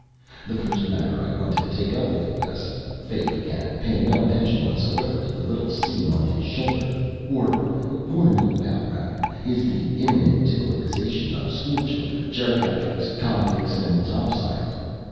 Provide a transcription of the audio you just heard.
"The first matter I want to take up with you, Gussy," Fay began, paying no attention whatsoever to the little scene on his shoulder, " or warn you about, rather is the imminent ticklerization of schoolchildren, geriatrics, convicts and topsiders.